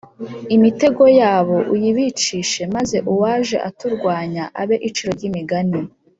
imitego yabo uyibicishe maze uwaje aturwanya abe iciro ry’imigani